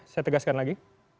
saya tegaskan lagi